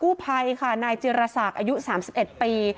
กู้ภัยก็เลยมาช่วยแต่ฝ่ายชายก็เลยมาช่วย